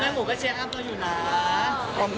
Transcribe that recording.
แม่หมูก็เชียร์กับเราอยู่นะ